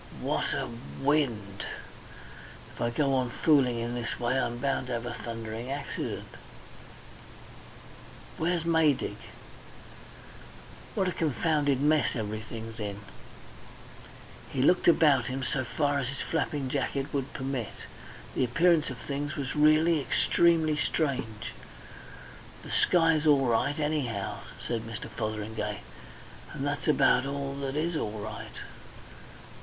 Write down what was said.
What a wind! If I go on fooling in this way I'm bound to have a thundering accident!... "Where's Maydig? "What a confounded mess everything's in!" He looked about him so far as his flapping jacket would permit. The appearance of things was really extremely strange. "The sky's all right anyhow," said Mr. Fotheringay. "And that's about all that is all right.